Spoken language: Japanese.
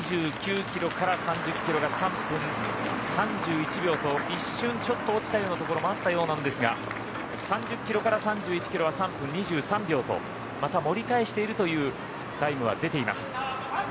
２９キロから３０キロが３分３１秒と一瞬ちょっと落ちたようなところもあったようなんですが３０キロから３１キロは３分２３秒とまた盛り返しているというタイムは出ています。